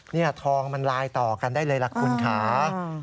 นี่ทองมันลายต่อกันได้เลยล่ะคุณค่ะ